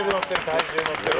体重のってる。